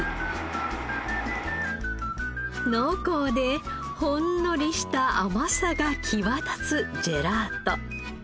濃厚でほんのりした甘さが際立つジェラート。